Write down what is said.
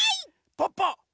ポッポ！